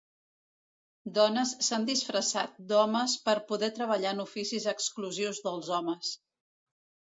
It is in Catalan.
Dones s'han disfressat d'homes per poder treballar en oficis exclusius dels homes.